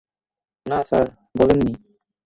না স্যার, বলেননি।